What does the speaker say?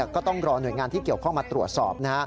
ก็ต้องรอหน่วยงานที่เกี่ยวข้องมาตรวจสอบ